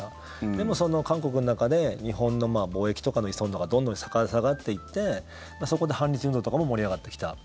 でも、その韓国の中で日本の貿易とかの依存度がどんどん下がっていってそこで反日運動とかも盛り上がってきた。